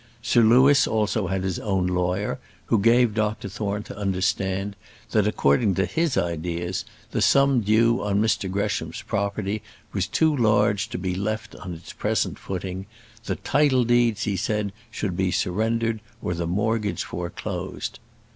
Sir Louis also had his own lawyer, who gave Dr Thorne to understand that, according to his ideas, the sum due on Mr Gresham's property was too large to be left on its present footing; the title deeds, he said, should be surrendered or the mortgage foreclosed.